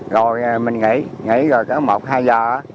rồi mình nghỉ nghỉ rồi cả một hai giờ